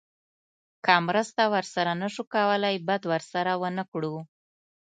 که مرسته ورسره نه شو کولی بد ورسره ونه کړو.